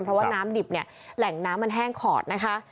เพราะว่าน้ำดิบเนี่ยแหล่งน้ำมันแห้งขอดนะคะ